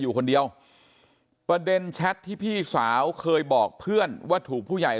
อยู่คนเดียวประเด็นแชทที่พี่สาวเคยบอกเพื่อนว่าถูกผู้ใหญ่